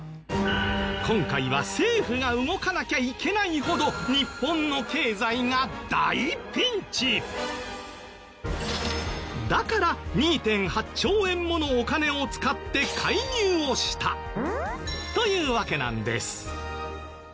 今回は政府が動かなきゃいけないほど日本の経済が大ピンチ！だから２．８兆円ものお金を使って介入をしたというわけなんです。